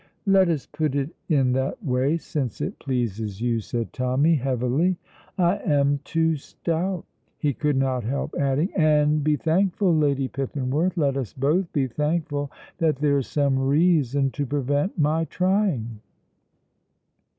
"Let us put it in that way, since it pleases you," said Tommy, heavily. "I am too stout." He could not help adding, "And be thankful, Lady Pippinworth, let us both be thankful, that there is some reason to prevent my trying."